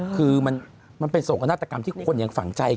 คือมันเป็นส่วนกับนาฏกรรมที่คนยังฝังใจกันอยู่